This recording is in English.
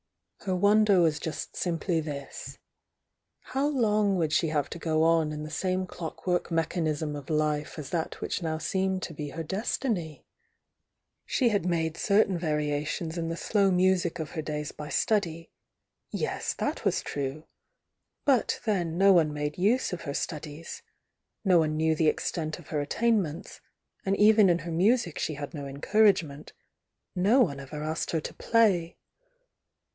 Her wonder was just simply this: — ^How long wouU she have to go on in the same clockwork mechan ism of life as that which now seemed to be her destiny? She had made certain variations in the slow music of her days by study, — ^yes, that was true! — but then no one made use of her studies, — no one knew the extent of her attainments, and even in her music she had no encouragement, — no one ever asked her to play.